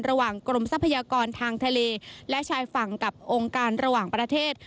กรมทรัพยากรทางทะเลและชายฝั่งกับองค์การระหว่างประเทศ